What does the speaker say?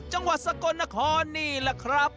จังหวัดสกลนครนี่แหละครับ